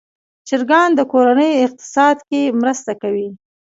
چرګان د کورنۍ اقتصاد کې مرسته کوي.